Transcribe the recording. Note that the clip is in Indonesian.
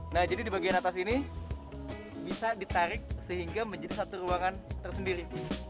nah jadi di bagian atas ini bisa ditarik sehingga menjadi satu ruangan tersendiri